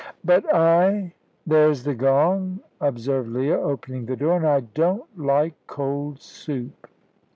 "But I " "There's the gong," observed Leah, opening the door, "and I don't like cold soup."